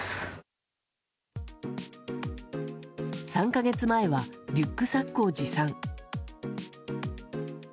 ３か月前はリュックサックを持参。